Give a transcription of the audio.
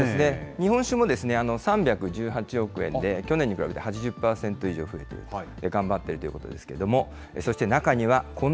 日本酒も３１８億円で去年に比べて８０％以上増えている、頑張っているということですけれども。